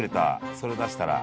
それ出したら。